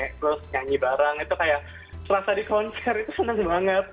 terus nyanyi bareng itu kayak selasa di konser itu senang banget